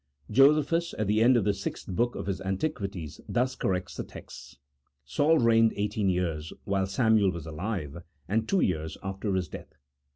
Josephns, at the end of the sixth book of his antiquities, thus corrects the text : Saul reigned eighteen years while Samuel was alive, and two years after his death.